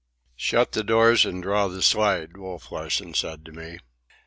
"Shut the doors and draw the slide," Wolf Larsen said to me.